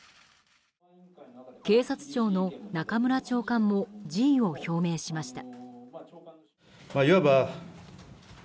警察庁の中村長官も辞意を表明しました。